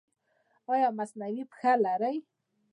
ایا مصنوعي پښه لرئ؟